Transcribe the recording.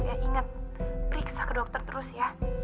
ingat periksa ke dokter terus ya